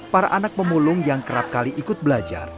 para anak pemulung yang kerap kali ikut belajar